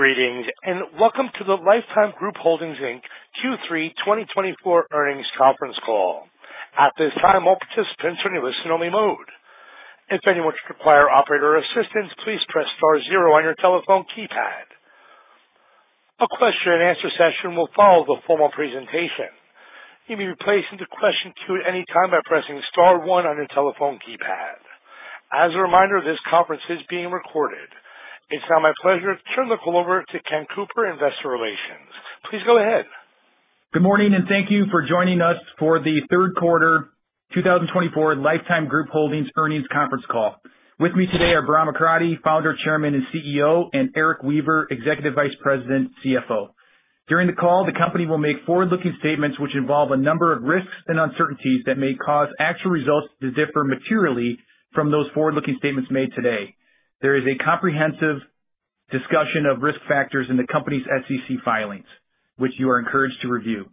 Greetings, and welcome to the Life Time Group Holdings, Inc. Q3 2024 earnings conference call. At this time, all participants are in a listen-only mode. If anyone should require operator assistance, please press star zero on your telephone keypad. A question-and-answer session will follow the formal presentation. You may be placed into question queue at any time by pressing star one on your telephone keypad. As a reminder, this conference is being recorded. It's now my pleasure to turn the call over to Ken Cooper, Investor Relations. Please go ahead. Good morning, and thank you for joining us for the third quarter two thousand and twenty-four Life Time Group Holdings earnings conference call. With me today are Bahram Akradi, Founder, Chairman, and CEO, and Erik Weaver, Executive Vice President, CFO. During the call, the company will make forward-looking statements which involve a number of risks and uncertainties that may cause actual results to differ materially from those forward-looking statements made today. There is a comprehensive discussion of risk factors in the company's SEC filings, which you are encouraged to review.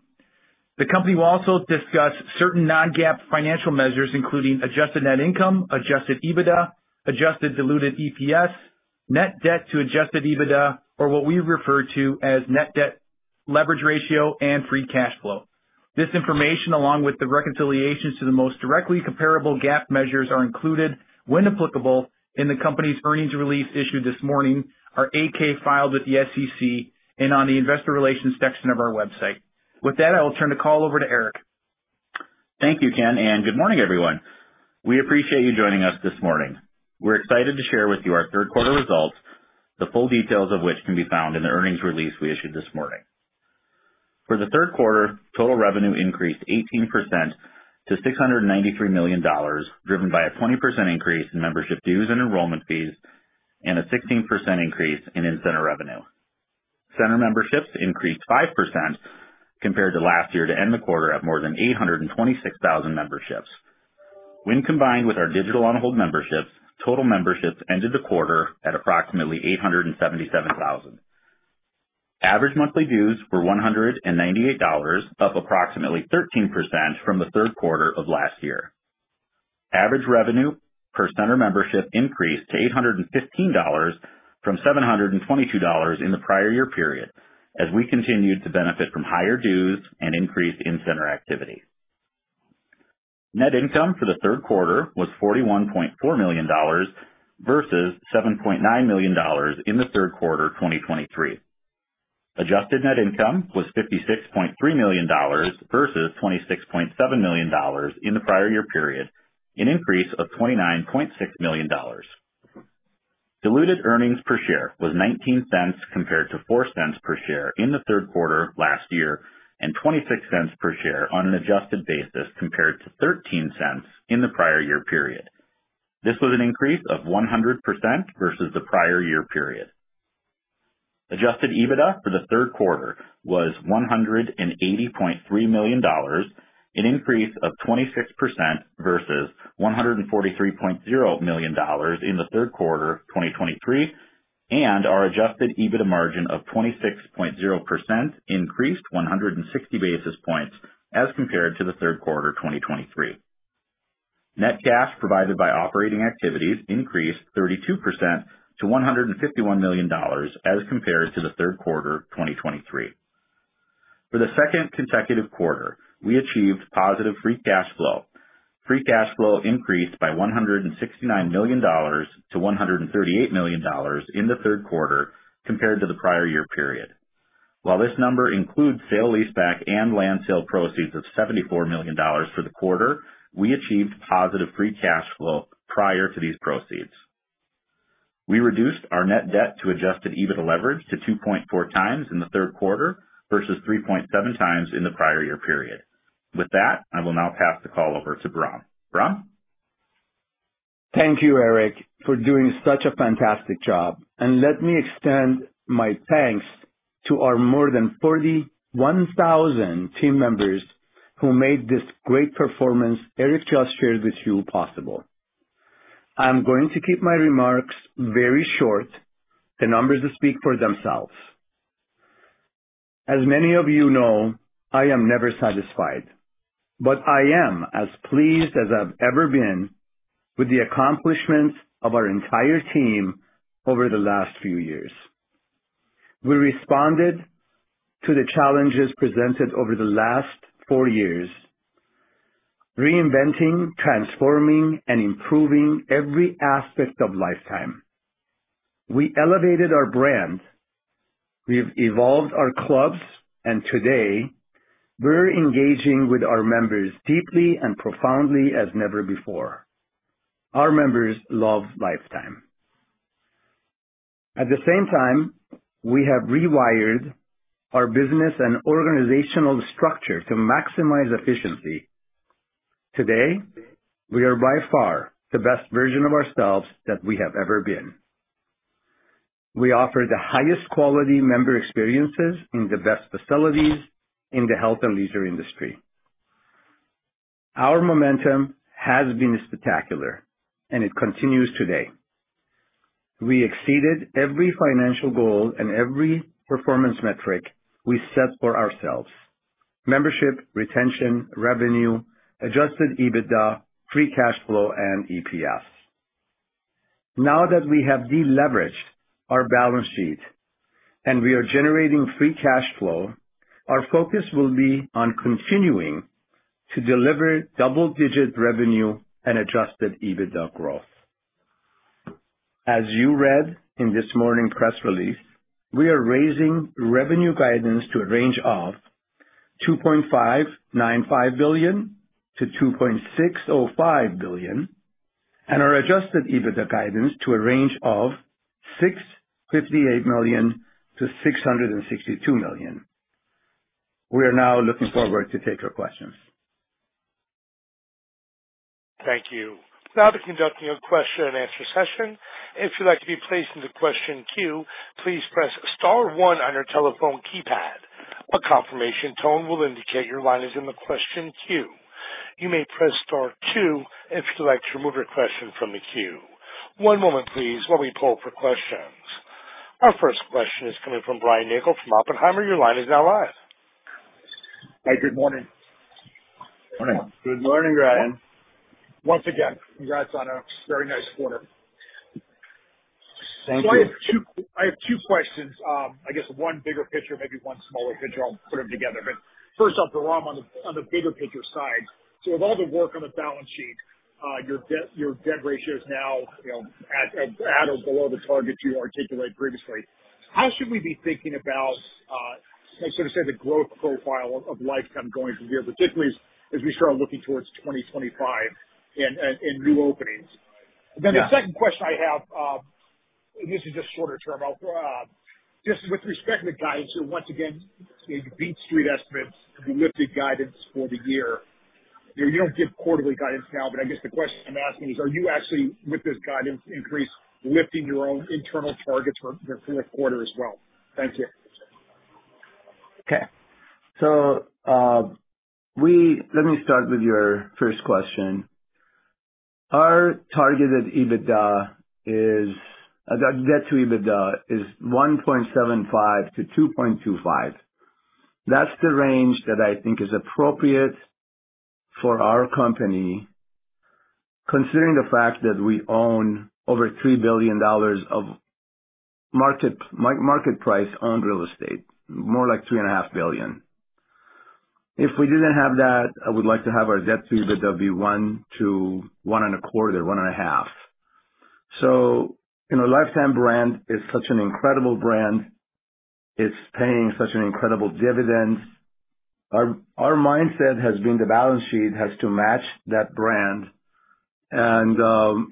The company will also discuss certain non-GAAP financial measures, including adjusted net income, adjusted EBITDA, adjusted diluted EPS, net debt to adjusted EBITDA, or what we refer to as net debt leverage ratio and free cash flow. This information, along with the reconciliations to the most directly comparable GAAP measures, are included, when applicable, in the company's earnings release issued this morning, our 10-K filed with the SEC, and on the investor relations section of our website. With that, I will turn the call over to Erik. Thank you, Ken, and good morning, everyone. We appreciate you joining us this morning. We're excited to share with you our third quarter results, the full details of which can be found in the earnings release we issued this morning. For the third quarter, total revenue increased 18% to $693 million, driven by a 20% increase in membership dues and enrollment fees and a 16% increase in in-center revenue. Center memberships increased 5% compared to last year, to end the quarter at more than 826,000 memberships. When combined with our digital on-hold memberships, total memberships ended the quarter at approximately 877,000. Average monthly dues were $198, up approximately 13% from the third quarter of last year. Average revenue per center membership increased to $815 from $722 in the prior year period, as we continued to benefit from higher dues and increased in-center activity. Net income for the third quarter was $41.4 million versus $7.9 million in the third quarter of 2023. Adjusted net income was $56.3 million versus $26.7 million in the prior year period, an increase of $29.6 million. Diluted earnings per share was $0.19 compared to $0.04 per share in the third quarter of last year, and $0.26 per share on an adjusted basis compared to $0.13 in the prior year period. This was an increase of 100% versus the prior year period. Adjusted EBITDA for the third quarter was $180.3 million, an increase of 26% versus $143.0 million in the third quarter of 2023, and our Adjusted EBITDA margin of 26.0% increased 160 basis points as compared to the third quarter of 2023. Net cash provided by operating activities increased 32% to $151 million as compared to the third quarter of 2023. For the second consecutive quarter, we achieved positive Free Cash Flow. Free Cash Flow increased by $169 million-$138 million in the third quarter compared to the prior year period. While this number includes sale-leaseback and land sale proceeds of $74 million for the quarter, we achieved positive free cash flow prior to these proceeds. We reduced our net debt to adjusted EBITDA leverage to 2.4 times in the third quarter versus 3.7 times in the prior year period. With that, I will now pass the call over to Bahram. Bahram? Thank you, Erik, for doing such a fantastic job, and let me extend my thanks to our more than 41,000 team members who made this great performance Erik just shared with you possible. I'm going to keep my remarks very short. The numbers speak for themselves. As many of you know, I am never satisfied, but I am as pleased as I've ever been with the accomplishments of our entire team over the last few years. We responded to the challenges presented over the last four years, reinventing, transforming, and improving every aspect of Life Time. We elevated our brand, we've evolved our clubs, and today we're engaging with our members deeply and profoundly as never before. Our members love Life Time. At the same time, we have rewired our business and organizational structure to maximize efficiency. Today, we are by far the best version of ourselves that we have ever been. We offer the highest quality member experiences in the best facilities in the health and leisure industry. Our momentum has been spectacular, and it continues today. We exceeded every financial goal and every performance metric we set for ourselves: membership, retention, revenue, Adjusted EBITDA, free cash flow, and EPS. Now that we have deleveraged our balance sheet and we are generating free cash flow, our focus will be on continuing to deliver double-digit revenue and Adjusted EBITDA growth. As you read in this morning's press release, we are raising revenue guidance to a range of $2.595 billion-$2.605 billion, and our Adjusted EBITDA guidance to a range of $658 million-$662 million. We are now looking forward to take your questions. Thank you. Now to conducting a question and answer session. If you'd like to be placed into question queue, please press star one on your telephone keypad. A confirmation tone will indicate your line is in the question queue. You may press star two if you'd like to remove your question from the queue. One moment please, while we poll for questions. Our first question is coming from Brian Nagel from Oppenheimer. Your line is now live. Hey, good morning. Morning. Good morning, Brian. Once again, congrats on a very nice quarter. Thank you. I have two questions. I guess one bigger picture, maybe one smaller picture. I'll put them together. But first off, the one on the bigger picture side. With all the work on the balance sheet, your debt, your debt ratio is now, you know, at or below the target you articulated previously. How should we be thinking about, so to say, the growth profile of Life Time going from here, particularly as we start looking towards twenty twenty-five and new openings? Yeah. Then the second question I have, this is just shorter term. Just with respect to the guidance, so once again, you beat street estimates, you lifted guidance for the year. You don't give quarterly guidance now, but I guess the question I'm asking is, are you actually, with this guidance increase, lifting your own internal targets for the fourth quarter as well? Thank you. Okay. So, let me start with your first question. Our targeted EBITDA is debt to EBITDA 1.75-2.25. That's the range that I think is appropriate for our company, considering the fact that we own over $3 billion of market price on real estate, more like $3.5 billion. If we didn't have that, I would like to have our debt to EBITDA be 1-1.25, 1.5. So, you know, Life Time brand is such an incredible brand. It's paying such an incredible dividend. Our mindset has been the balance sheet has to match that brand. And,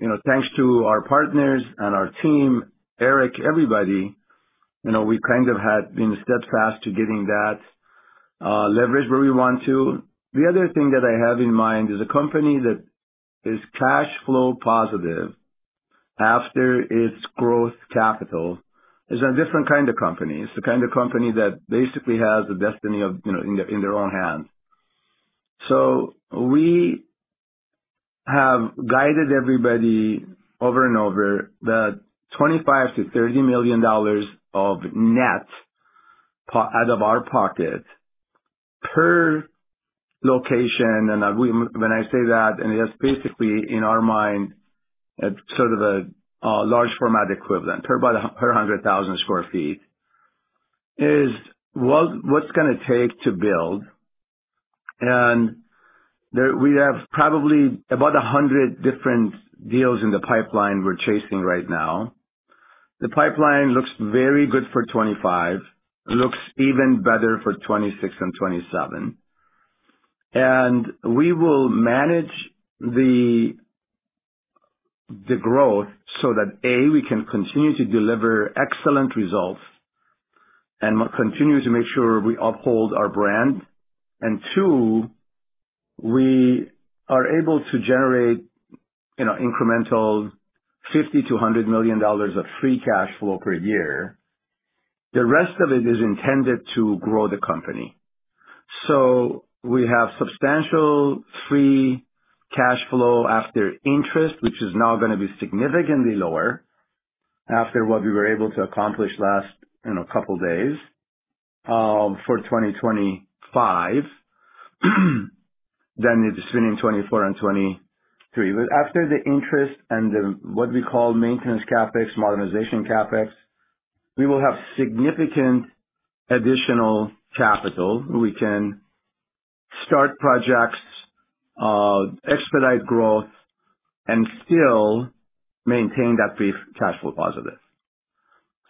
you know, thanks to our partners and our team, Erik, everybody, you know, we kind of had been steadfast to getting that leverage where we want to. The other thing that I have in mind is a company that is cash flow positive after its growth capital is a different kind of company. It's the kind of company that basically has the destiny of, you know, in their own hands. So we have guided everybody over and over that $25 million-$30 million of net out of our pocket per location, and we, when I say that, and that's basically in our mind, it's sort of a large format equivalent, per about 100,000 sq ft, is what it's gonna take to build. We have probably about 100 different deals in the pipeline we're chasing right now. The pipeline looks very good for 2025, looks even better for 2026 and 2027. And we will manage the growth so that, A, we can continue to deliver excellent results and continue to make sure we uphold our brand. And two, we are able to generate, you know, incremental $50 million-100 million of free cash flow per year. The rest of it is intended to grow the company. So we have substantial free cash flow after interest, which is now gonna be significantly lower after what we were able to accomplish last, you know, couple days, for 2025, than it is in 2024 and 2023. But after the interest and the, what we call maintenance CapEx, modernization CapEx, we will have significant additional capital. We can start projects, expedite growth, and still maintain that free cash flow positive.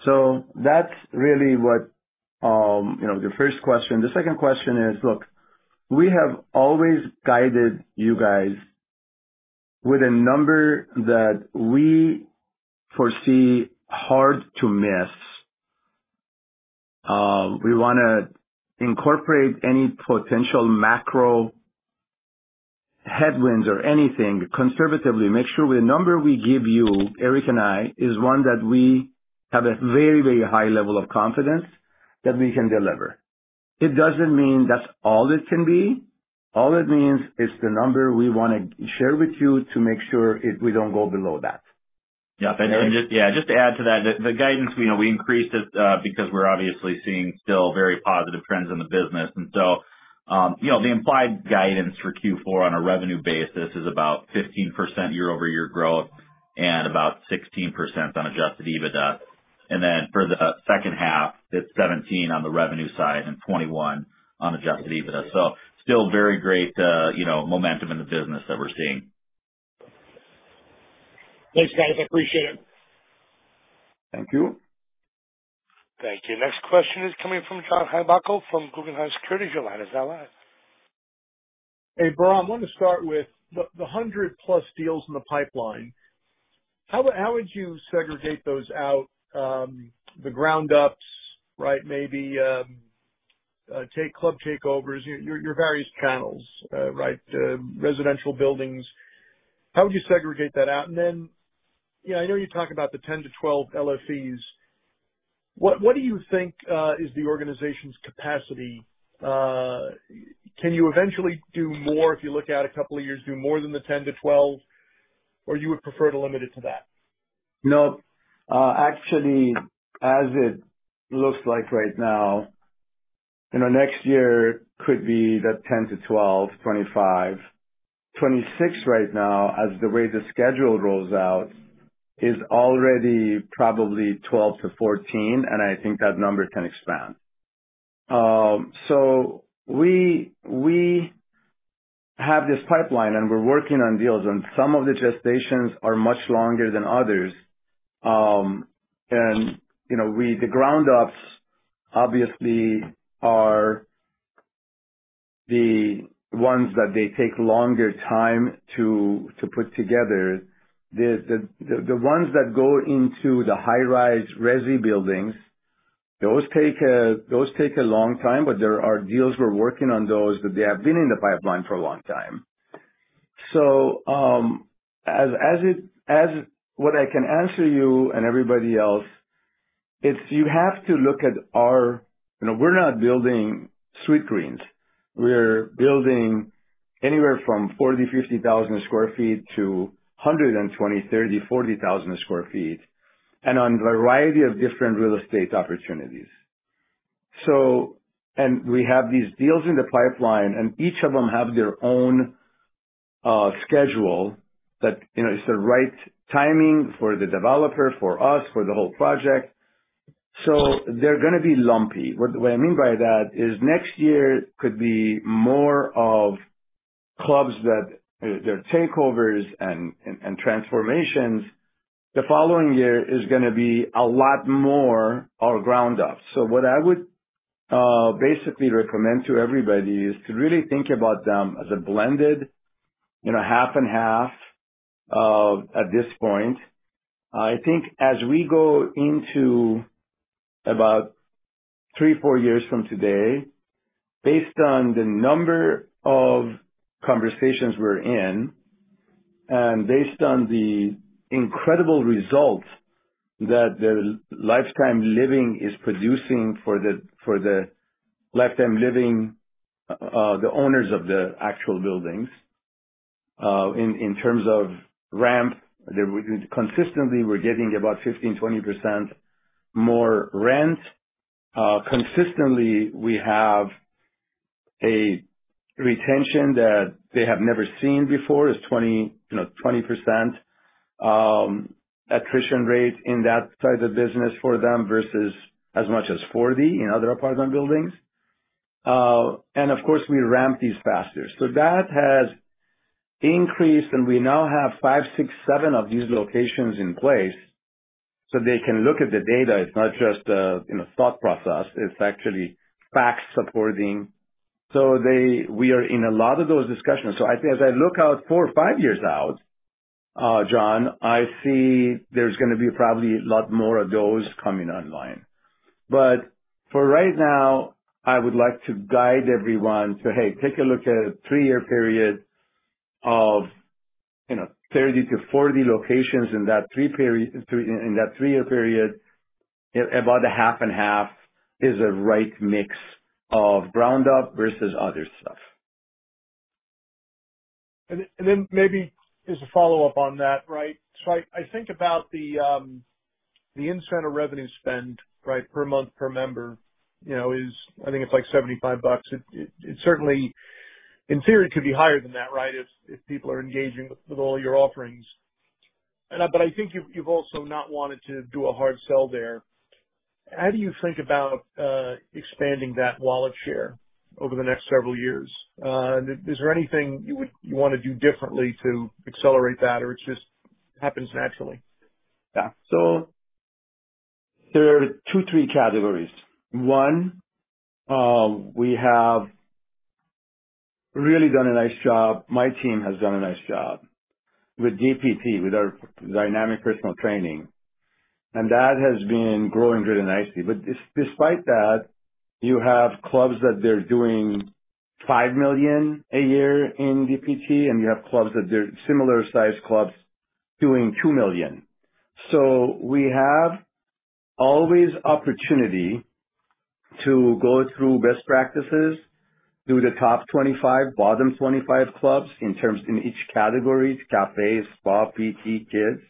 So that's really what, you know, the first question. The second question is, look, we have always guided you guys with a number that we foresee hard to miss. We want to incorporate any potential macro headwinds or anything conservatively, make sure the number we give you, Erik and I, is one that we have a very, very high level of confidence that we can deliver. It doesn't mean that's all it can be. All it means, it's the number we wanna share with you to make sure it- we don't go below that.... Yep, and just, yeah, just to add to that, the guidance, you know, we increased it because we're obviously seeing still very positive trends in the business. And so, you know, the implied guidance for Q4 on a revenue basis is about 15% year-over-year growth and about 16% on Adjusted EBITDA. And then for the second half, it's 17% on the revenue side and 21% on Adjusted EBITDA. So still very great, you know, momentum in the business that we're seeing. Thanks, guys. I appreciate it. Thank you. Thank you. Next question is coming from John Heinbockel, from Guggenheim Securities. Your line is now live. Hey, Bahram, I want to start with the 100+ deals in the pipeline. How would you segregate those out, the ground-ups, right? Maybe take club takeovers, your various channels, right? Residential buildings. How would you segregate that out? And then, yeah, I know you talk about the 10-12 LFEs. What do you think is the organization's capacity? Can you eventually do more if you look out a couple of years, do more than the 10-12, or you would prefer to limit it to that? No, actually, as it looks like right now, you know, next year could be that 10-12, 2025. 2026 right now, as the way the schedule rolls out, is already probably 12-14, and I think that number can expand. So we have this pipeline, and we're working on deals, and some of the gestations are much longer than others. And you know, the ground ups obviously are the ones that take longer time to put together. The ones that go into the high-rise resi buildings, those take a long time, but there are deals we're working on those, but they have been in the pipeline for a long time. So, what I can answer you and everybody else is you have to look at our... You know, we're not building Sweetgreens. We're building anywhere from 40,000-50,000 sq ft to 120,000-140,000 sq ft, and on a variety of different real estate opportunities. So, and we have these deals in the pipeline, and each of them have their own schedule, that, you know, it's the right timing for the developer, for us, for the whole project. So they're gonna be lumpy. What I mean by that is, next year could be more of clubs that they're takeovers and transformations. The following year is gonna be a lot more our ground up. So what I would basically recommend to everybody is to really think about them as a blended, you know, half and half, at this point. I think as we go into about three, four years from today, based on the number of conversations we're in, and based on the incredible results that the Life Time Living is producing for the Life Time Living, the owners of the actual buildings, in terms of ramp, they consistently were getting about 15%-20% more rent. Consistently, we have a retention that they have never seen before, is 20%, you know, 20% attrition rate in that side of the business for them, versus as much as 40 in other apartment buildings. And of course, we ramp these faster, so that has increased, and we now have five, six, seven of these locations in place, so they can look at the data. It's not just a, you know, thought process, it's actually facts supporting. So, they, we are in a lot of those discussions. So I think as I look out four or five years out, John, I see there's gonna be probably a lot more of those coming online. But for right now, I would like to guide everyone to, hey, take a look at a three-year period of, you know, 30-40 locations in that three-year period. About a half and half is the right mix of ground up versus other stuff. Then maybe as a follow-up on that, right? So I think about the in-center revenue spend, right, per month, per member. You know, I think it's like $75. It certainly, in theory, could be higher than that, right? If people are engaging with all your offerings. But I think you've also not wanted to do a hard sell there. How do you think about expanding that wallet share over the next several years? And is there anything you would want to do differently to accelerate that, or it just happens naturally? Yeah. There are two, three categories. One, we have really done a nice job. My team has done a nice job with DPT, with our Dynamic Personal Training, and that has been growing really nicely. But despite that, you have clubs that they're doing $5 million a year in DPT, and you have clubs that they're similar sized clubs doing $2 million. So we have always opportunity to go through best practices, do the top 25, bottom 25 clubs in terms, in each category, cafes, spa, PT, kids.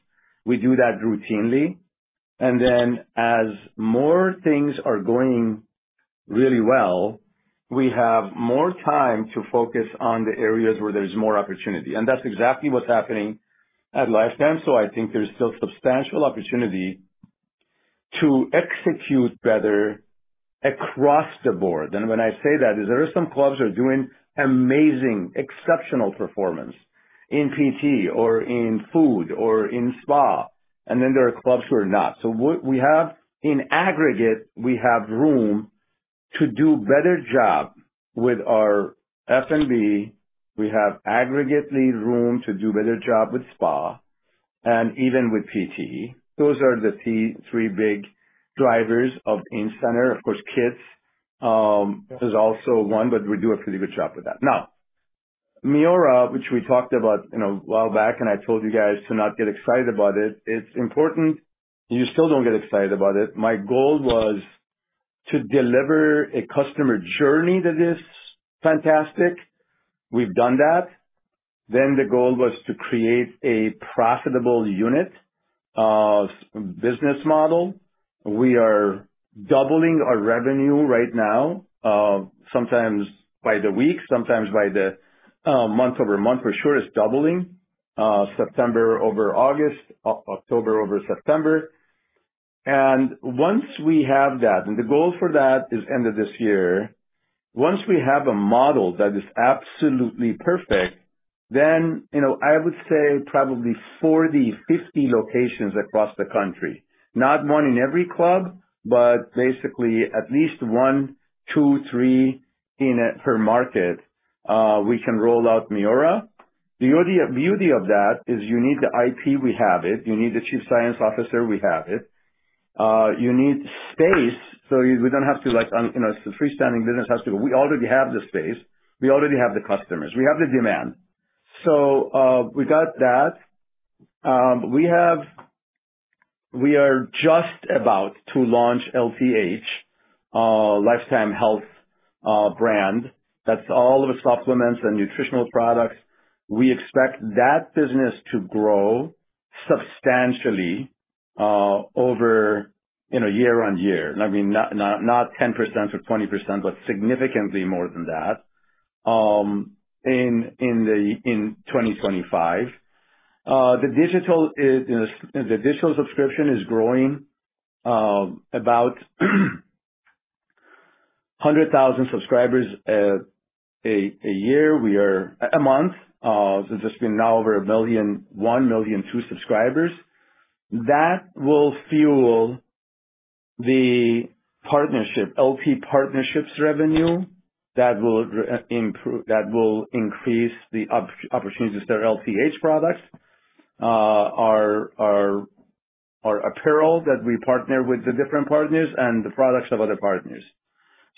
We do that routinely. And then as more things are going really well, we have more time to focus on the areas where there's more opportunity. And that's exactly what's happening at Life Time. So I think there's still substantial opportunity to execute better across the board. And when I say that, there are some clubs that are doing amazing, exceptional performance in PT or in food or in spa, and then there are clubs who are not. So what we have, in aggregate, we have room to do better job with our F&B. We have aggregately room to do better job with spa and even with PT. Those are the key three big drivers of in-center. Of course, kids is also one, but we do a pretty good job with that. Now, Miora, which we talked about, you know, a while back, and I told you guys to not get excited about it, it's important. You still don't get excited about it. My goal was to deliver a customer journey that is fantastic. We've done that. Then the goal was to create a profitable unit business model. We are doubling our revenue right now, sometimes by the week, sometimes by the month over month for sure it's doubling, September over August, October over September. And once we have that, and the goal for that is end of this year, once we have a model that is absolutely perfect, then, you know, I would say probably 40, 50 locations across the country. Not one in every club, but basically at least one, two, three in a per market, we can roll out Miora. The beauty of that is you need the IP, we have it. You need the chief science officer, we have it. You need space, so we don't have to like, you know, the freestanding business has to. We already have the space. We already have the customers. We have the demand. So, we got that. We have, we are just about to launch LTH, Life Time Health, brand. That's all of the supplements and nutritional products. We expect that business to grow substantially, over, you know, year on year. I mean, not 10% or 20%, but significantly more than that, in 2025. The digital is, you know, the digital subscription is growing, about 100,000 subscribers a month, so it's just been now over 1 million, 1.2 million subscribers. That will fuel the LTH partnerships revenue that will improve. That will increase the opportunities to sell LTH products. Our apparel that we partner with the different partners and the products of other partners.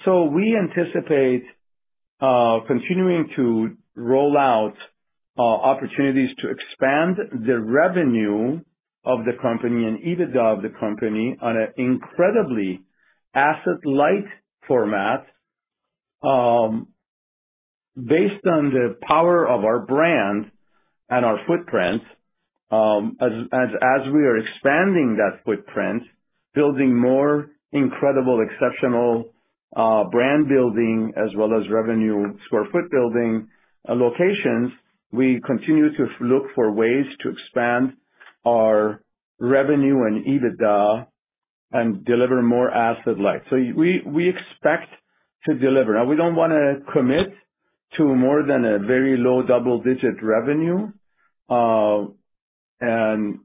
So we anticipate continuing to roll out opportunities to expand the revenue of the company and EBITDA of the company on an incredibly asset-light format, based on the power of our brand and our footprint. As we are expanding that footprint, building more incredible, exceptional, brand building as well as revenue, square foot building locations, we continue to look for ways to expand our revenue and EBITDA and deliver more asset light. So we expect to deliver. Now, we don't want to commit to more than a very low double-digit revenue and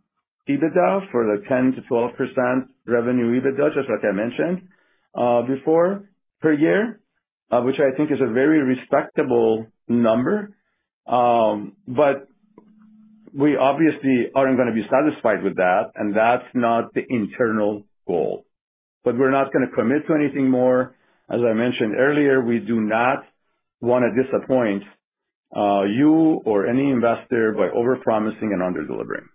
EBITDA for the 10%-12% revenue EBITDA, just like I mentioned before, per year, which I think is a very respectable number. But we obviously aren't gonna be satisfied with that, and that's not the internal goal. But we're not gonna commit to anything more. As I mentioned earlier, we do not want to disappoint you or any investor by overpromising and under-delivering.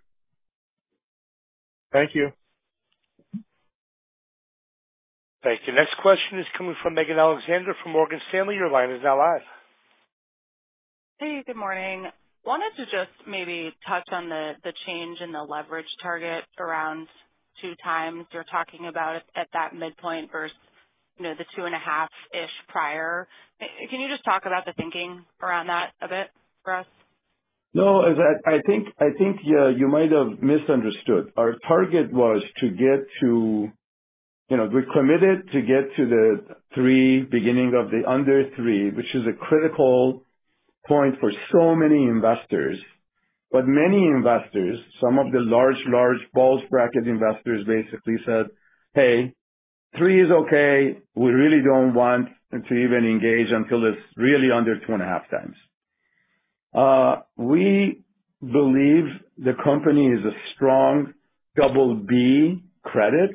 Thank you. Thank you. Next question is coming from Megan Alexander, from Morgan Stanley. Your line is now live. Hey, good morning. Wanted to just maybe touch on the change in the leverage target around two times. You're talking about it at that midpoint versus, you know, the two and a half-ish prior. Can you just talk about the thinking around that a bit for us? No, I think, yeah, you might have misunderstood. Our target was to get to... You know, we're committed to get to the three, beginning of the under three, which is a critical point for so many investors. But many investors, some of the large BB bracket investors, basically said, "Hey, three is okay. We really don't want to even engage until it's really under two and a half times." We believe the company is a strong BB credit.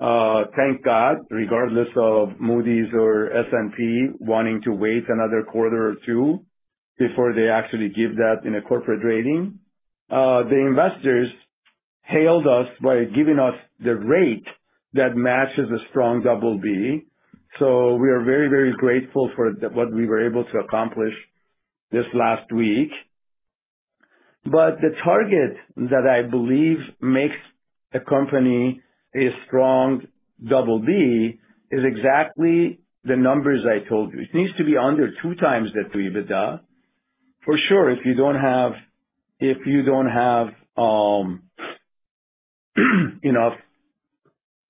Thank God, regardless of Moody's or S&P wanting to wait another quarter or two before they actually give that in a corporate rating. The investors hailed us by giving us the rate that matches a strong double B. So we are very, very grateful for what we were able to accomplish this last week. But the target that I believe makes a company a strong double B is exactly the numbers I told you. It needs to be under two times the EBITDA. For sure, if you don't have, you know,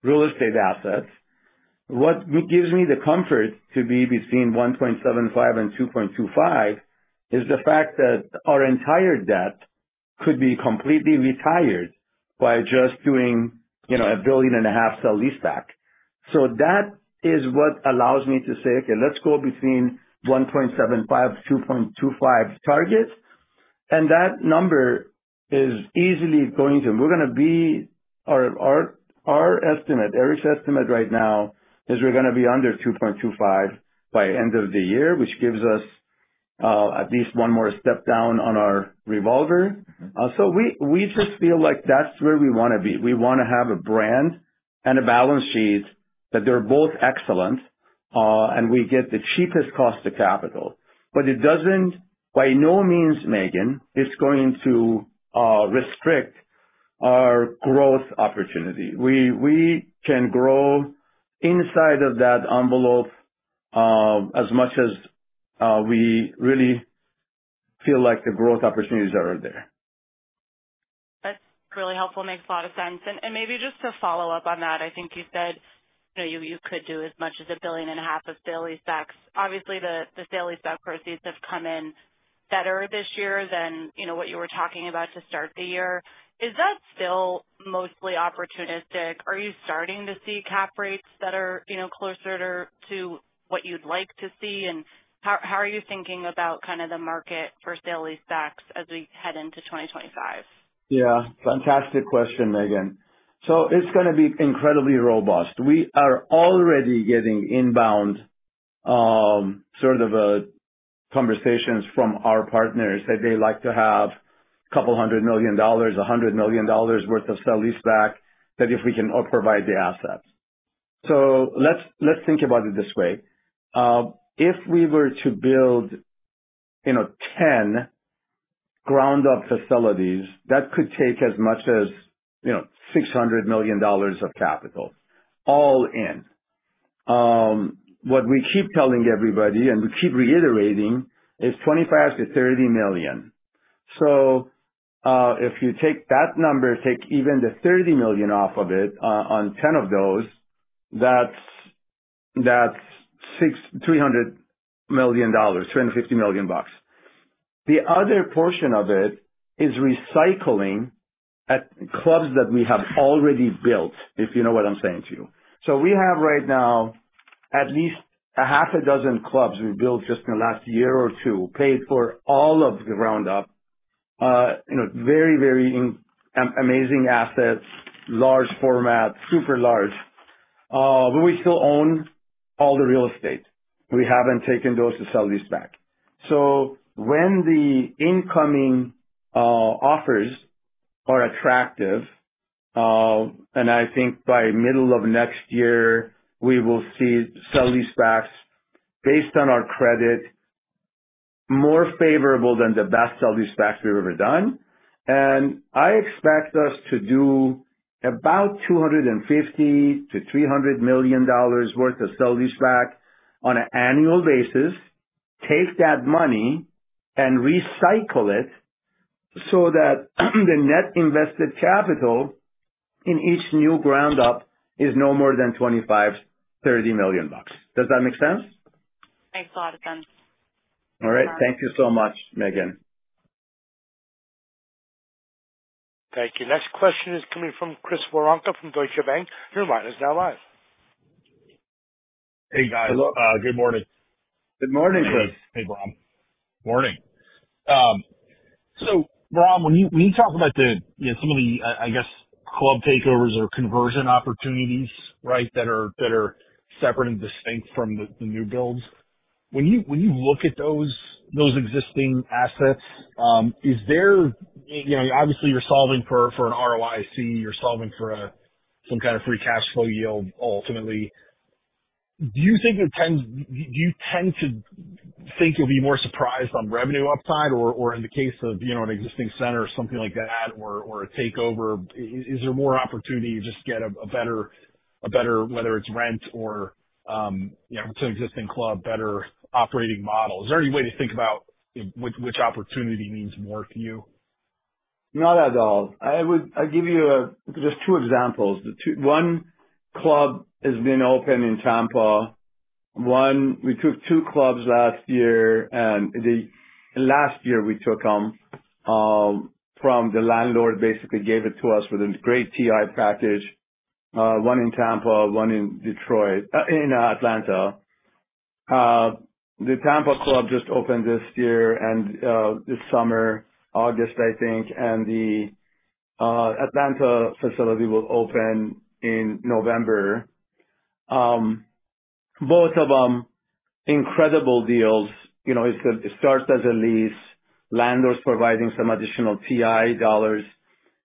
real estate assets, what gives me the comfort to be between 1.75 and 2.25 is the fact that our entire debt could be completely retired by just doing, you know, a $1.5 billion sale-leaseback. So that is what allows me to say, "Okay, let's go between 1.75-2.25 targets," and that number is easily going to... We're gonna be our estimate, Erik's estimate right now, is we're gonna be under two point two five by end of the year, which gives us at least one more step down on our revolver. So we just feel like that's where we wanna be. We wanna have a brand and a balance sheet that they're both excellent, and we get the cheapest cost of capital. But it doesn't, by no means, Megan, it's going to restrict our growth opportunity. We can grow inside of that envelope as much as we really feel like the growth opportunities are there. That's really helpful. Makes a lot of sense. And maybe just to follow up on that, I think you said that you could do as much as $1.5 billion of sale-leasebacks. Obviously, the sale-leaseback proceeds have come in better this year than, you know, what you were talking about to start the year. Is that still mostly opportunistic? Are you starting to see cap rates that are, you know, closer to what you'd like to see? And how are you thinking about kind of the market for sale-leasebacks as we head into 2025? Yeah. Fantastic question, Megan. So it's gonna be incredibly robust. We are already getting inbound conversations from our partners that they'd like to have a couple hundred million dollars, $100 million worth of sale-leaseback, that if we can provide the assets. So let's think about it this way. If we were to build, you know, 10 ground up facilities, that could take as much as, you know, $600 million of capital, all in. What we keep telling everybody and we keep reiterating, is 25-30 million. So if you take that number, take even the 30 million off of it, on 10 of those, that's three hundred million dollars, $250 million bucks. The other portion of it is recycling at clubs that we have already built, if you know what I'm saying to you. So we have right now, at least a half a dozen clubs we built just in the last year or two, paid for all of the ground up. You know, very, very amazing assets, large format, super large, but we still own all the real estate. We haven't taken those to sale leaseback. So when the incoming offers are attractive, and I think by middle of next year, we will see sale leasebacks, based on our credit, more favorable than the best sale leasebacks we've ever done. I expect us to do about $250 million-$300 million worth of sale-leaseback on an annual basis, take that money and recycle it so that the net invested capital in each new ground-up is no more than $25million-$30 million. Does that make sense? Makes a lot of sense. All right. Thank you so much, Megan. Thank you. Next question is coming from Chris Woronka from Deutsche Bank. Your line is now live. Hey, guys. Hello. Good morning. Good morning, Chris. Hey, Bahram. Morning. So Bahram, when you talk about the, you know, some of the, I guess, club takeovers or conversion opportunities, right? That are separate and distinct from the new builds. When you look at those existing assets, is there... You know, obviously you're solving for an ROIC, you're solving for some kind of free cash flow yield ultimately. Do you think it tends to- do you tend to think you'll be more surprised on revenue upside or, in the case of, you know, an existing center or something like that, or a takeover, is there more opportunity to just get a better, whether it's rent or, you know, it's an existing club, better operating model? Is there any way to think about which opportunity means more to you? Not at all. I would... I'll give you just two examples. Two, one club has been open in Tampa. One, we took two clubs last year, and last year we took them from the landlord, basically gave it to us with a great TI package, one in Tampa, one in Detroit, in Atlanta. The Tampa club just opened this year and, this summer, August, I think, and the, Atlanta facility will open in November. Both of them, incredible deals. You know, it's a, it starts as a lease, landlord's providing some additional TI dollars.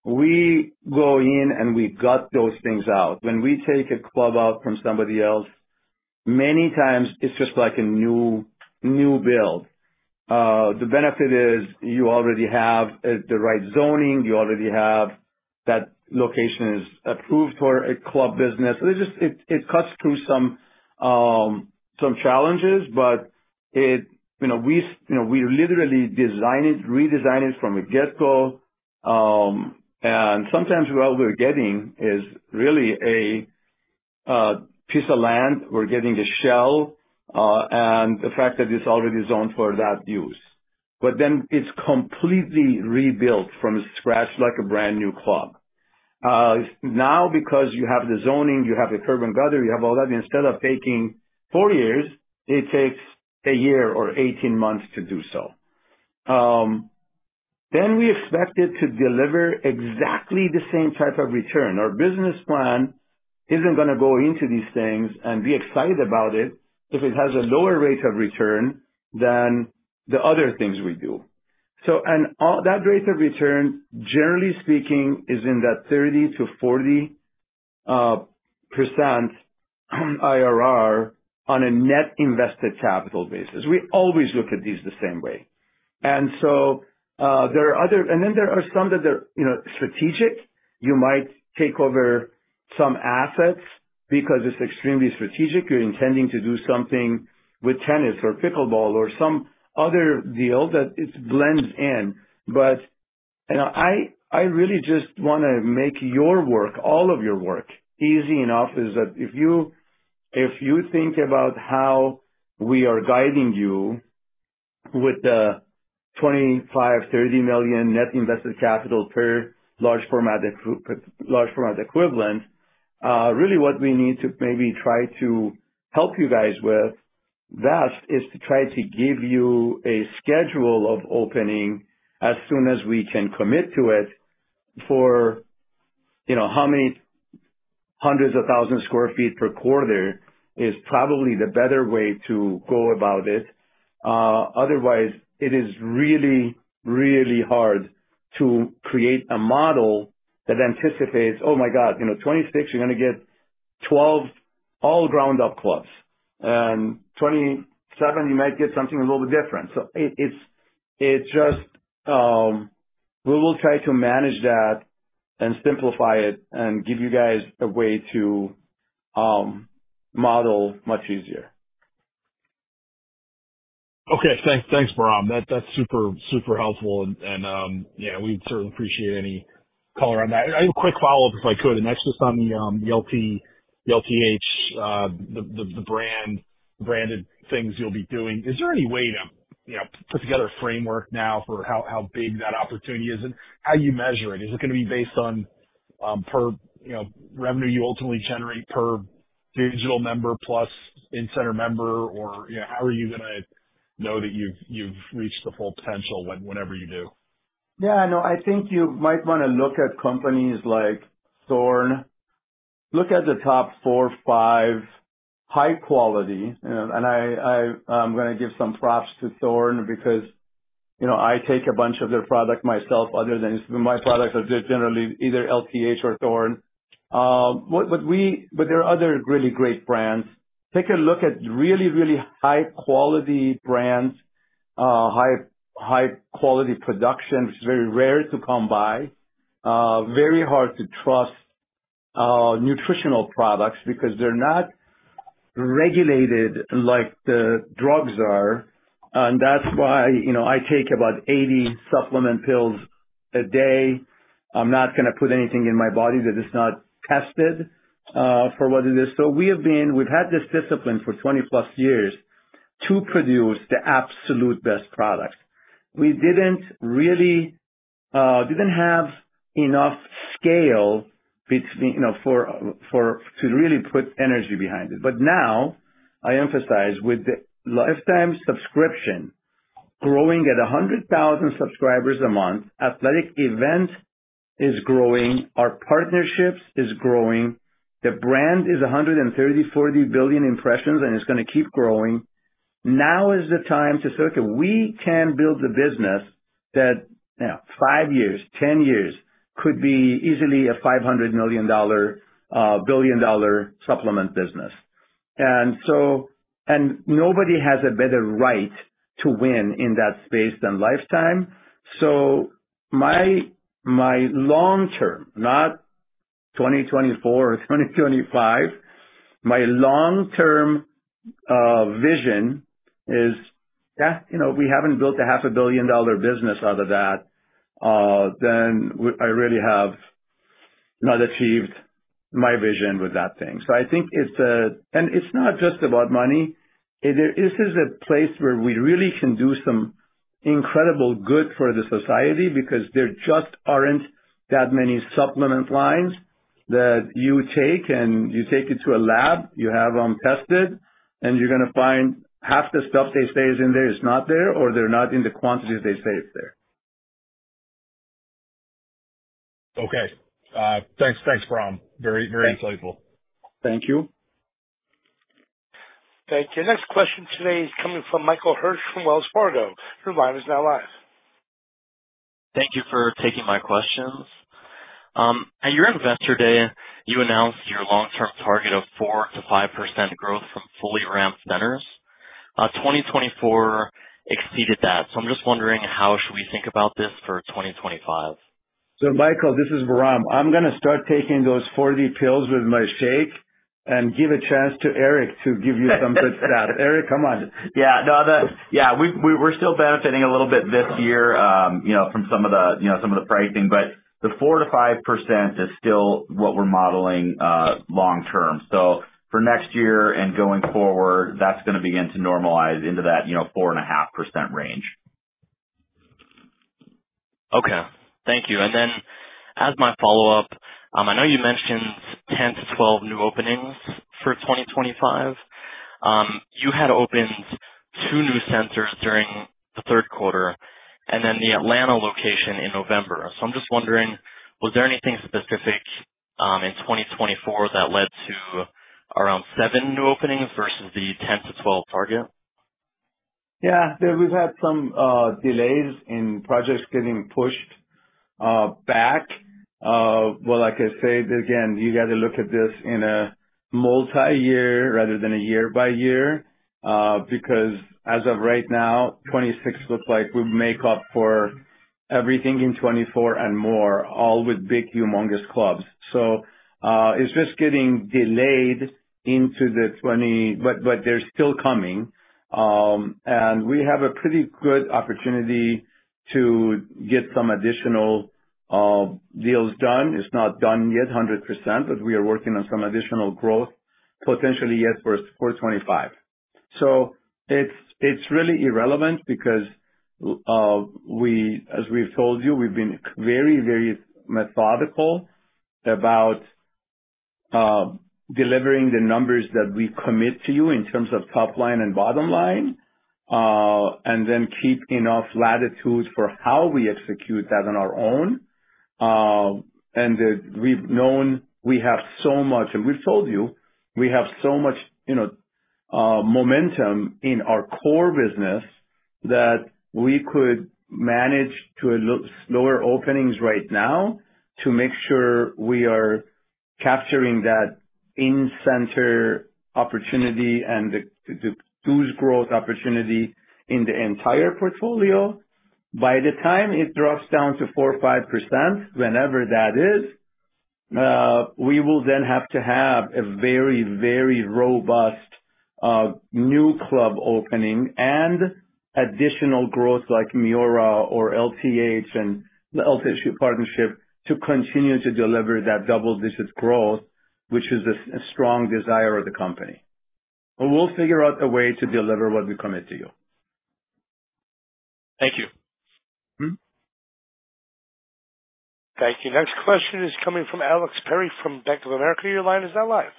We go in and we gut those things out. When we take a club out from somebody else, many times it's just like a new build. The benefit is you already have, the right zoning, you already have... That location is approved for a club business, so it just cuts through some challenges, but you know, we literally design it, redesign it from the get-go, and sometimes what we're getting is really a piece of land. We're getting a shell, and the fact that it's already zoned for that use, but then it's completely rebuilt from scratch, like a brand new club. Now, because you have the zoning, you have the curb and gutter, you have all that, instead of taking four years, it takes a year or eighteen months to do so, then we expect it to deliver exactly the same type of return. Our business plan isn't gonna go into these things and be excited about it, if it has a lower rate of return than the other things we do. That rate of return, generally speaking, is in that 30%-40% IRR on a net invested capital basis. We always look at these the same way. There are others, and then there are some that are, you know, strategic. You might take over some assets because it's extremely strategic. You're intending to do something with tennis or pickleball or some other deal that it blends in. But, you know, I really just wanna make your work, all of your work, easy enough, is that if you think about how we are guiding you with the $25 miilion-$30 million net invested capital per large format equivalent, really what we need to maybe try to help you guys with, that is to try to give you a schedule of opening as soon as we can commit to it, for, you know, how many hundreds of thousand sq ft per quarter is probably the better way to go about it. Otherwise, it is really, really hard to create a model that anticipates, oh my God, you know, 2026, you're gonna get 12 all ground up clubs. Twenty-seven, you might get something a little bit different. So it's just we will try to manage that and simplify it and give you guys a way to model much easier. Okay. Thanks. Thanks, Bahram. That's super, super helpful. And, yeah, we'd certainly appreciate any color on that. I have a quick follow-up, if I could, and that's just on the LT, the LTH, the branded things you'll be doing. Is there any way to, you know, put together a framework now for how big that opportunity is and how you measure it? Is it gonna be based on, per, you know, revenue you ultimately generate per digital member plus in-center member? Or, you know, how are you gonna know that you've reached the full potential, whenever you do? Yeah, I know. I think you might want to look at companies like Thorne. Look at the top 4, 5, high quality. And I'm gonna give some props to Thorne because, you know, I take a bunch of their product myself. Other than my products, are generally either LTH or Thorne. But there are other really great brands. Take a look at really high quality brands, high quality production, which is very rare to come by, very hard to trust, nutritional products because they're not regulated like the drugs are. And that's why, you know, I take about 80 supplement pills a day. I'm not gonna put anything in my body that is not tested for what it is. So we have been, we've had this discipline for 20+ years to produce the absolute best products. We didn't really didn't have enough scale between, you know, for to really put energy behind it. But now, I emphasize, with the Life Time subscription growing at 100,000 subscribers a month, athletic events is growing, our partnerships is growing, the brand is 130-140 billion impressions, and it's gonna keep growing. Now is the time to say, "Okay, we can build a business that, yeah, five years, ten years, could be easily a $500 million, billion dollar supplement business." And so. And nobody has a better right to win in that space than Life Time. So my long term, not 2024 or 2025, my long-term vision is that, you know, we haven't built a $500 million business out of that, then I really have not achieved my vision with that thing. So I think it's, and it's not just about money. It is, this is a place where we really can do some incredible good for the society, because there just aren't that many supplement lines that you take, and you take it to a lab, you have them tested, and you're gonna find half the stuff they say is in there is not there, or they're not in the quantities they say it's there.... Okay. Thanks, thanks, Bahram. Very, very insightful. Thank you. Thank you. Next question today is coming from Michael Hirsch from Wells Fargo. Your line is now live. Thank you for taking my questions. At your Investor Day, you announced your long-term target of 4%-5% growth from fully ramped centers. 2024 exceeded that, so I'm just wondering, how should we think about this for 2025? So, Michael, this is Bahram. I'm gonna start taking those forty pills with my shake and give a chance to Erik to give you some good stuff. Erik, come on. Yeah. No. Yeah, we're still benefiting a little bit this year, you know, from some of the pricing, but the 4%-5% is still what we're modeling long term. So for next year and going forward, that's gonna begin to normalize into that, you know, 4.5% range. Okay. Thank you. And then, as my follow-up, I know you mentioned 10-12 new openings for 2025. You had opened 2 new centers during the third quarter, and then the Atlanta location in November. So I'm just wondering, was there anything specific in 2024 that led to around 7 new openings versus the 10-12 target? Yeah. Yeah, we've had some delays in projects getting pushed back, well, like I said, again, you got to look at this in a multi-year rather than a year by year, because as of right now, 2026 looks like we make up for everything in 2024 and more, all with big, humongous clubs, so it's just getting delayed into the twenty-six. But they're still coming. And we have a pretty good opportunity to get some additional deals done. It's not done yet 100%, but we are working on some additional growth, potentially, yes, for twenty-five. So it's really irrelevant because, as we've told you, we've been very, very methodical about delivering the numbers that we commit to you in terms of top line and bottom line, and then keep enough latitude for how we execute that on our own, and we've known we have so much, and we've told you, we have so much, you know, momentum in our core business that we could manage to a slower openings right now to make sure we are capturing that in-center opportunity and the dues growth opportunity in the entire portfolio. By the time it drops down to 4% or 5%, whenever that is, we will then have to have a very, very robust, new club opening and additional growth like Miora or LTH and the LTH partnership, to continue to deliver that double-digit growth, which is a strong desire of the company. But we'll figure out a way to deliver what we commit to you. Thank you. Hmm. Thank you. Next question is coming from Alex Perry from Bank of America. Your line is now live.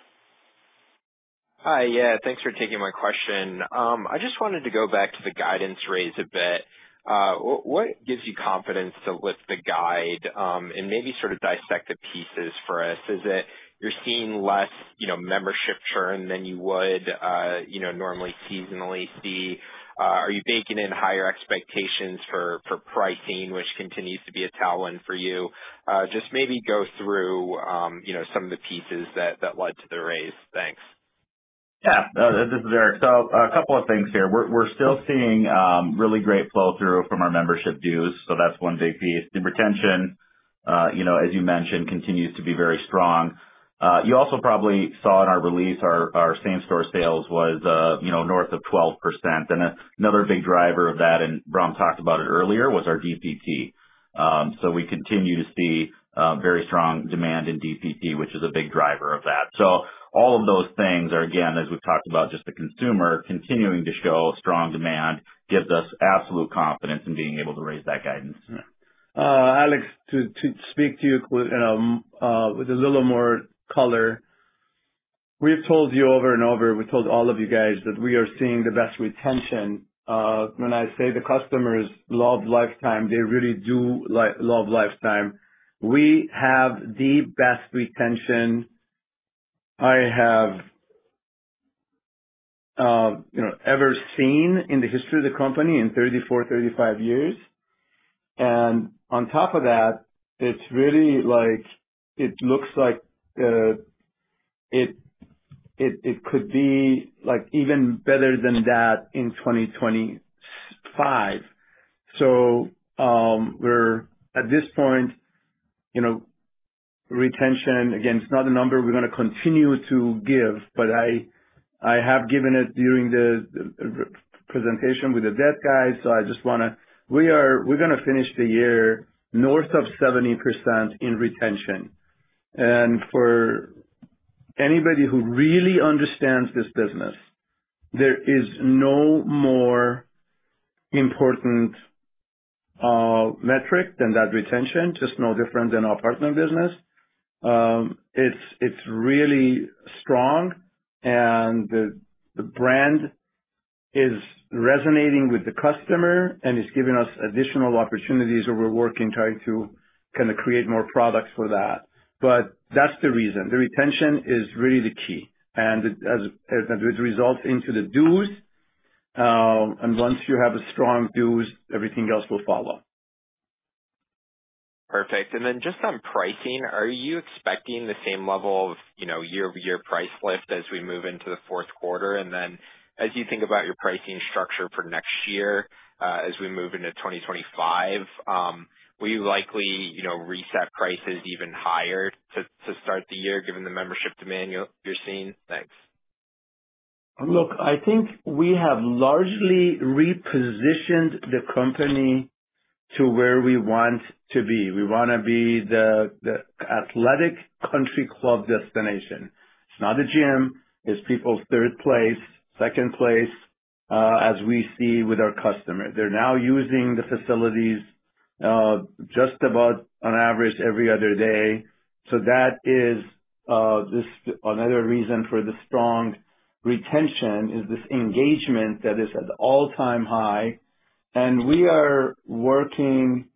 Hi. Yeah, thanks for taking my question. I just wanted to go back to the guidance raise a bit. What gives you confidence to lift the guide, and maybe sort of dissect the pieces for us? Is it you're seeing less, you know, membership churn than you would, you know, normally seasonally see? Are you baking in higher expectations for pricing, which continues to be a tailwind for you? Just maybe go through, you know, some of the pieces that led to the raise. Thanks. Yeah. This is Erik. So a couple of things here. We're still seeing really great flow-through from our membership dues. So that's one big piece. The retention, you know, as you mentioned, continues to be very strong. You also probably saw in our release our same-store sales was, you know, north of 12%. And another big driver of that, and Bahram talked about it earlier, was our DPT. So we continue to see very strong demand in DPT, which is a big driver of that. So all of those things are, again, as we've talked about, just the consumer continuing to show strong demand, gives us absolute confidence in being able to raise that guidance. Alex, to speak to you with a little more color. We've told you over and over, we told all of you guys that we are seeing the best retention. When I say the customers love Life Time, they really do love Life Time. We have the best retention I have, you know, ever seen in the history of the company in thirty-four, thirty-five years. And on top of that, it's really like... It looks like it could be, like, even better than that in twenty twenty-five. So, we're at this point, you know, retention, again, it's not a number we're gonna continue to give, but I have given it during the presentation with the debt guys, so I just want to... We're gonna finish the year north of 70% in retention. For anybody who really understands this business, there is no more important metric than that retention, just no different than our partner business. It's really strong, and the brand is resonating with the customer and is giving us additional opportunities where we're working, trying to kind of create more products for that. But that's the reason. The retention is really the key, and as it results into the dues, and once you have a strong dues, everything else will follow. Perfect. And then just on pricing, are you expecting the same level of, you know, year-over-year price lift as we move into the fourth quarter? And then as you think about your pricing structure for next year, as we move into 2025, will you likely, you know, reset prices even higher to start the year, given the membership demand you're seeing? Thanks. Look, I think we have largely repositioned the company to where we want to be. We want to be the athletic country club destination. It's not a gym. It's people's third place, second place, as we see with our customers. They're now using the facilities just about on average every other day. So that is this another reason for the strong retention is this engagement that is at an all-time high. And we are working...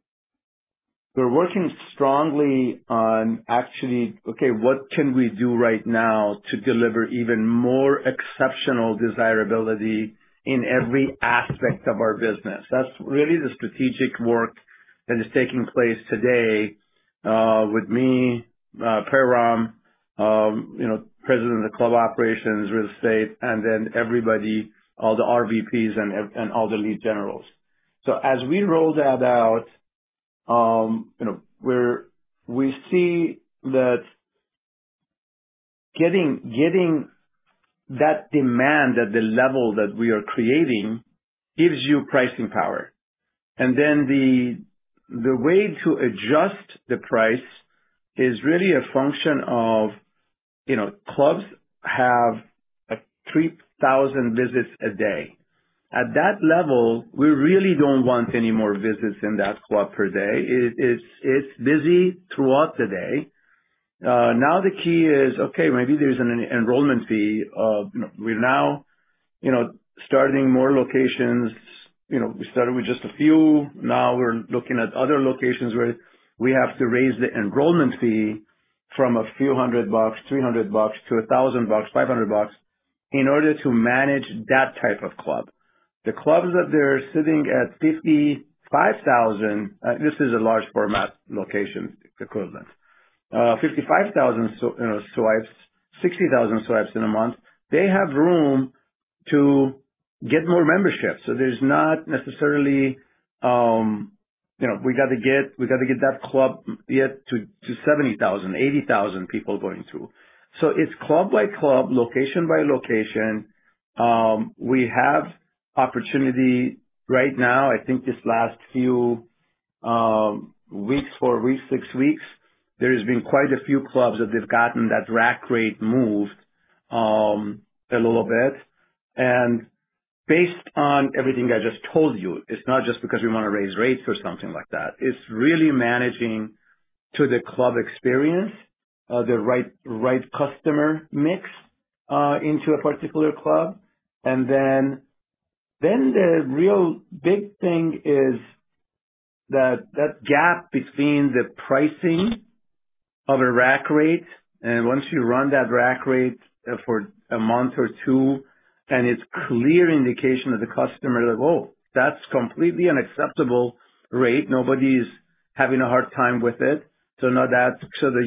We're working strongly on actually, okay, what can we do right now to deliver even more exceptional desirability in every aspect of our business? That's really the strategic work that is taking place today with me, Bahram, you know, president of the club operations, real estate, and then everybody, all the RVPs and all the lead generals. So as we roll that out, you know, we see that getting that demand at the level that we are creating gives you pricing power. And then the way to adjust the price is really a function of, you know, clubs have 3,000 visits a day. At that level, we really don't want any more visits in that club per day. It's busy throughout the day. Now, the key is, okay, maybe there's an enrollment fee. You know, we're now, you know, starting more locations. You know, we started with just a few. Now we're looking at other locations where we have to raise the enrollment fee from a few hundred bucks, $300-$1,000, $500, in order to manage that type of club. The clubs that they're sitting at 55,000, this is a large format location equivalent. 55,000, you know, swipes, 60,000 swipes in a month. They have room to get more memberships, so there's not necessarily, you know, we got to get that club yet to 70,000, 80,000 people going to. So it's club by club, location by location. We have opportunity right now. I think this last few weeks, four weeks, six weeks, there has been quite a few clubs that they've gotten that rack rate moved, a little bit. And based on everything I just told you, it's not just because we want to raise rates or something like that. It's really managing to the club experience, the right customer mix into a particular club. Then the real big thing is that gap between the pricing of a rack rate, and once you run that rack rate for a month or two, and it's clear indication that the customer is like, "Oh, that's completely unacceptable rate." Nobody's having a hard time with it. So now that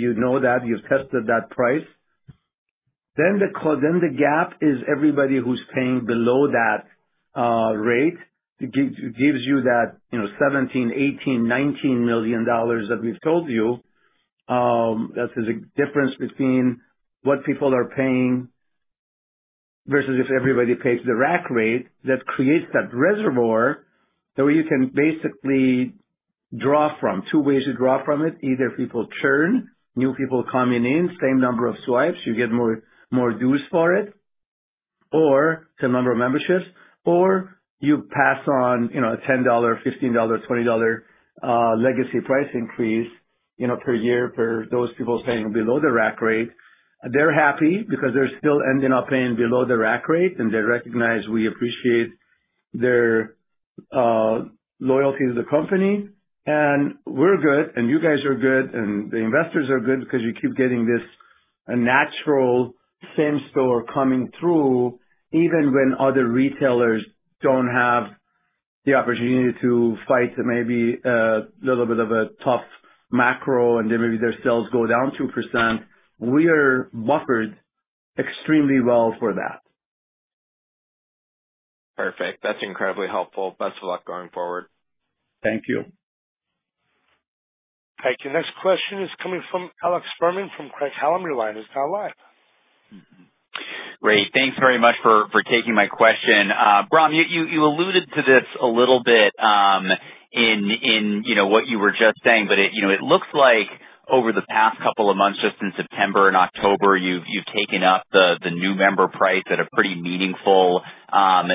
you know that, you've tested that price. Then the gap is everybody who's paying below that rate. It gives you that, you know, $17 million, $18 million, $19 million that we've told you. That there's a difference between what people are paying versus if everybody pays the rack rate. That creates that reservoir that way you can basically draw from. Two ways to draw from it: either people churn, new people coming in, same number of swipes, you get more dues for it, or same number of memberships, or you pass on, you know, a $10, $15, $20 legacy price increase, you know, per year for those people paying below the rack rate. They're happy because they're still ending up paying below the rack rate, and they recognize we appreciate their loyalty to the company. And we're good, and you guys are good, and the investors are good because you keep getting this natural same store coming through, even when other retailers don't have the opportunity to fight maybe a little bit of a tough macro and then maybe their sales go down 2%. We are buffered extremely well for that. Perfect. That's incredibly helpful. Best of luck going forward. Thank you. Thank you. Next question is coming from Alex Fuhrman from Craig-Hallum. Your line is now live. Great. Thanks very much for taking my question. Bahram, you alluded to this a little bit, in you know, what you were just saying, but you know, it looks like over the past couple of months, just in September and October, you've taken up the new member price at a pretty meaningful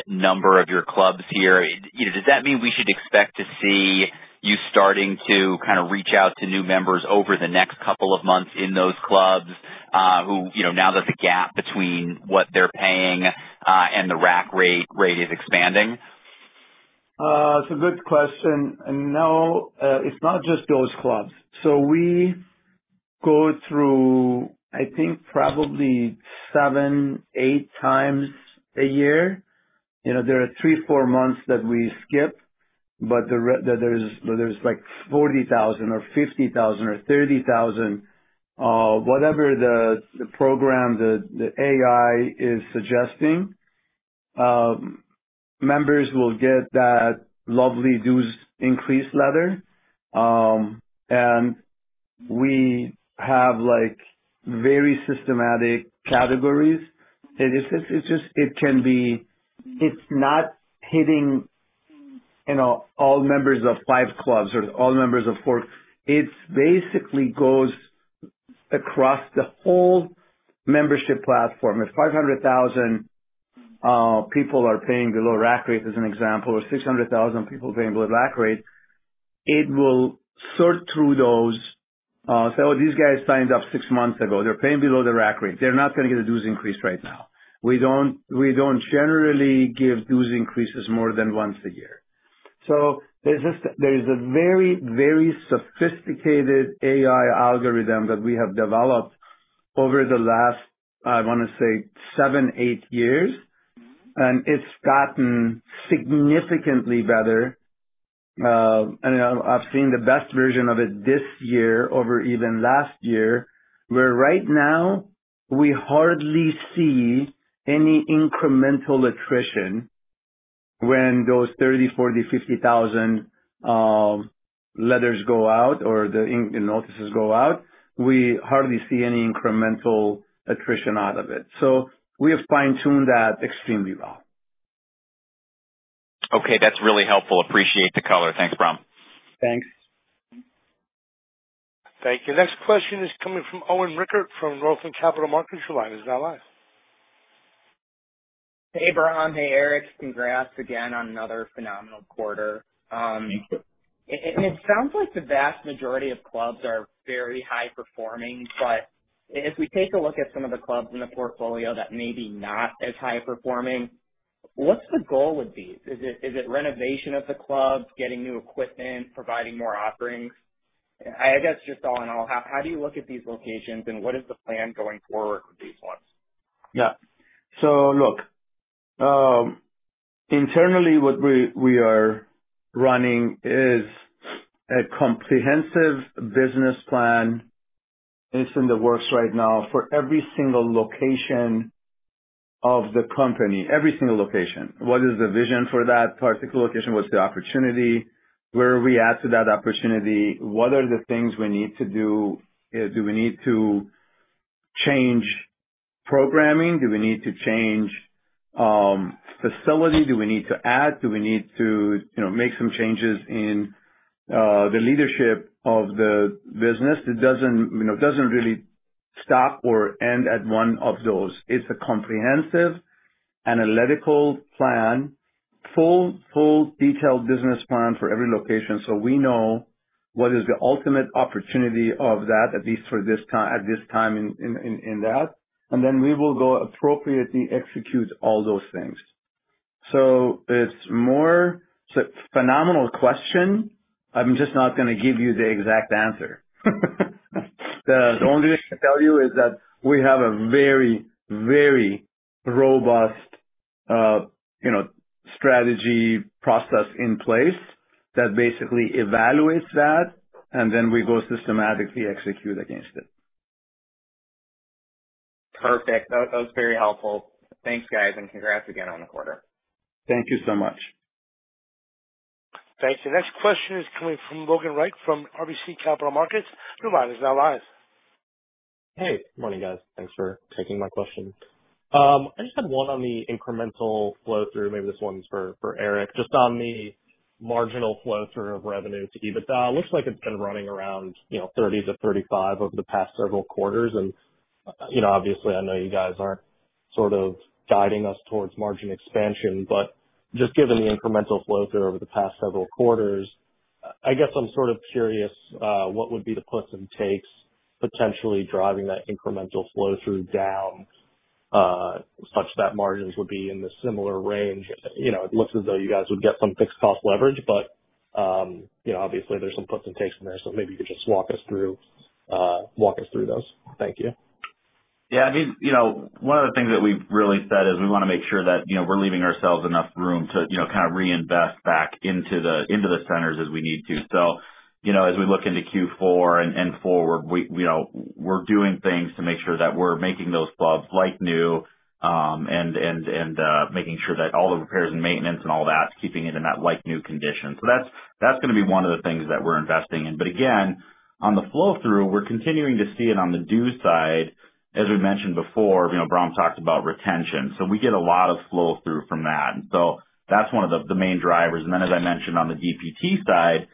number of your clubs here. You know, does that mean we should expect to see you starting to kind of reach out to new members over the next couple of months in those clubs?... you know, now that the gap between what they're paying and the rack rate is expanding? It's a good question, and no, it's not just those clubs. So we go through, I think, probably seven, eight times a year. You know, there are three, four months that we skip, but that there's like 40,000 or 50,000 or 30,000, whatever the program the AI is suggesting, members will get that lovely dues increase letter. And we have, like, very systematic categories. It is just, it can be. It's not hitting, you know, all members of five clubs or all members of four. It basically goes across the whole membership platform. If 500,000 people are paying below rack rate, as an example, or 600,000 people are paying below rack rate, it will sort through those. So these guys signed up six months ago. They're paying below the rack rate. They're not going to get a dues increase right now. We don't generally give dues increases more than once a year. So there is a very, very sophisticated AI algorithm that we have developed over the last, I want to say, seven, eight years, and it's gotten significantly better. And I've seen the best version of it this year over even last year, where right now we hardly see any incremental attrition when those 30, 40, 50 thousand letters go out or the in- notices go out. We hardly see any incremental attrition out of it. So we have fine-tuned that extremely well. Okay. That's really helpful. Appreciate the color. Thanks, Bahram. Thanks. Thank you. Next question is coming from Owen Rickert, from Northland Capital Markets. Your line is now live. Hey, Bram. Hey, Erik. Congrats again on another phenomenal quarter. Thank you. It sounds like the vast majority of clubs are very high performing, but if we take a look at some of the clubs in the portfolio that may be not as high performing, what's the goal with these? Is it renovation of the clubs, getting new equipment, providing more offerings? I guess, just all in all, how do you look at these locations, and what is the plan going forward with these ones? Yeah. So look, internally, what we are running is a comprehensive business plan. It's in the works right now for every single location of the company, every single location. What is the vision for that particular location? What's the opportunity? Where are we at to that opportunity? What are the things we need to do? Do we need to change programming? Do we need to change facility? Do we need to add? Do we need to, you know, make some changes in the leadership of the business? It doesn't, you know, doesn't really stop or end at one of those. It's a comprehensive, analytical plan, full detailed business plan for every location. So we know what is the ultimate opportunity of that, at least for this time in that, and then we will go appropriately execute all those things. So it's more... It's a phenomenal question. I'm just not going to give you the exact answer. The only thing I can tell you is that we have a very, very robust, you know, strategy process in place that basically evaluates that, and then we go systematically execute against it. Perfect. That, that was very helpful. Thanks, guys, and congrats again on the quarter. Thank you so much. Thanks. The next question is coming from Logan Reich from RBC Capital Markets. Your line is now live. Hey. Good morning, guys. Thanks for taking my question. I just had one on the incremental flow through. Maybe this one's for Erik. Just on the marginal flow through of revenue to EBITDA. It looks like it's been running around, you know, 30%-35% over the past several quarters. And, you know, obviously, I know you guys aren't sort of guiding us towards margin expansion, but just given the incremental flow through over the past several quarters, I guess I'm sort of curious what would be the puts and takes potentially driving that incremental flow through down such that margins would be in the similar range? You know, it looks as though you guys would get some fixed cost leverage, but, you know, obviously there's some puts and takes in there, so maybe you could just walk us through those. Thank you. Yeah, I mean, you know, one of the things that we've really said is we want to make sure that, you know, we're leaving ourselves enough room to, you know, kind of reinvest back into the centers as we need to. So, you know, as we look into Q4 and making sure that all the repairs and maintenance and all that, keeping it in that like-new condition. So that's going to be one of the things that we're investing in. But again, on the flow-through, we're continuing to see it on the dues side, as we mentioned before, you know, Bahram talked about retention, so we get a lot of flow-through from that. So that's one of the main drivers. Then, as I mentioned on the DPT side,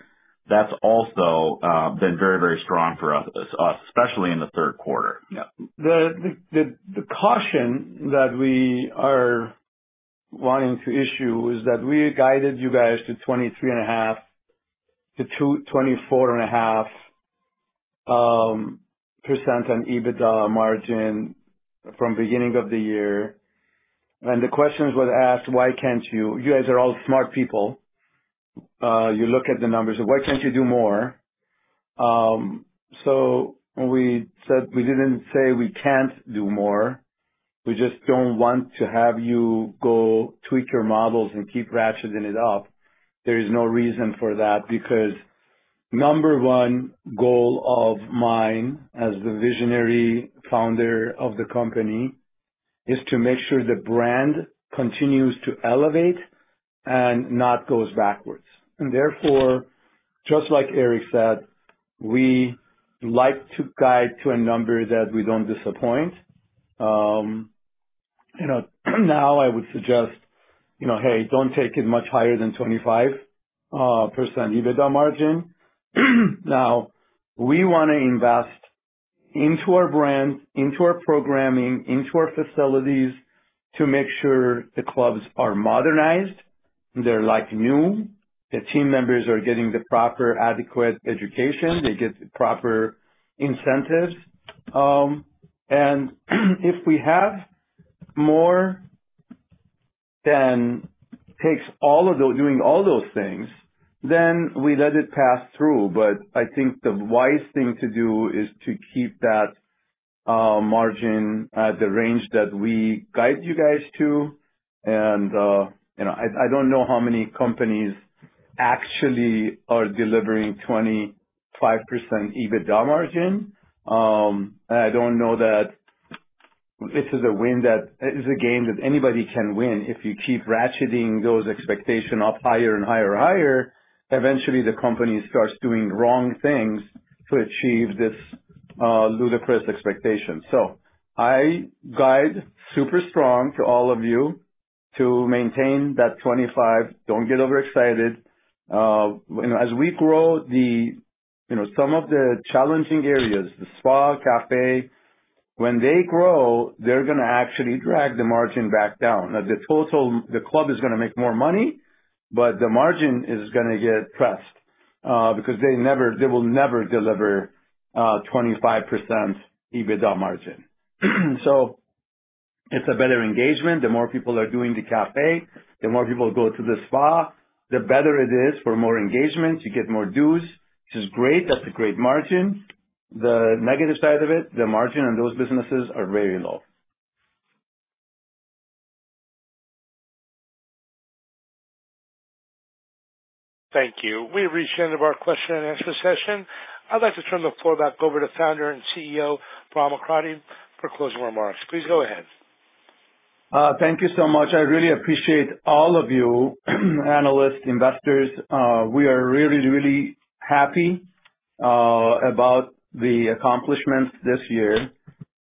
that's also been very, very strong for us, especially in the third quarter. Yeah. The caution that we are wanting to issue is that we guided you guys to 23.5%-24.5% on EBITDA margin from beginning of the year. And the question was asked, "Why can't you?" You guys are all smart people. You look at the numbers, why can't you do more? So we said we didn't say we can't do more. We just don't want to have you go tweak your models and keep ratcheting it up. There is no reason for that, because number one goal of mine as the visionary founder of the company, is to make sure the brand continues to elevate and not goes backwards. And therefore, just like Erik said, we like to guide to a number that we don't disappoint. You know, now I would suggest, you know, hey, don't take it much higher than 25% EBITDA margin. Now, we want to invest into our brand, into our programming, into our facilities, to make sure the clubs are modernized, they're like new, the team members are getting the proper, adequate education, they get the proper incentives. And, if we have more than takes all of doing all those things, then we let it pass through. But I think the wise thing to do is to keep that margin at the range that we guide you guys to. And, you know, I don't know how many companies actually are delivering 25% EBITDA margin. I don't know that this is a win, that is a game that anybody can win. If you keep ratcheting those expectation up higher and higher and higher, eventually the company starts doing wrong things to achieve this, ludicrous expectation. So I guide super strong to all of you to maintain that twenty-five. Don't get overexcited. You know, as we grow the, you know, some of the challenging areas, the spa, cafe, when they grow, they're gonna actually drag the margin back down. Now, the total... the club is gonna make more money, but the margin is gonna get pressed, because they will never deliver, 25% EBITDA margin. So it's a better engagement. The more people are doing the cafe, the more people go to the spa, the better it is for more engagement. You get more dues, which is great. That's a great margin. The negative side of it, the margin on those businesses are very low. Thank you. We've reached the end of our question and answer session. I'd like to turn the floor back over to Founder and CEO, Bahram Akradi, for closing remarks. Please go ahead. Thank you so much. I really appreciate all of you, analysts, investors. We are really, really happy about the accomplishments this year.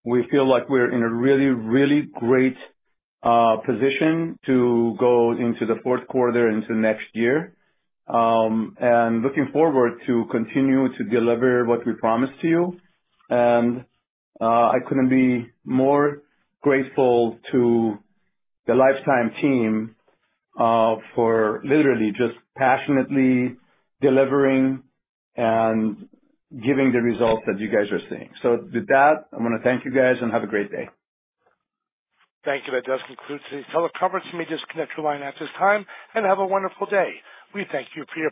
We feel like we're in a really, really great position to go into the fourth quarter into next year, and looking forward to continue to deliver what we promised to you. And I couldn't be more grateful to the Life Time team for literally just passionately delivering and giving the results that you guys are seeing. So with that, I'm gonna thank you guys and have a great day. Thank you. That does conclude today's teleconference. You may disconnect your line at this time, and have a wonderful day. We thank you for your participation.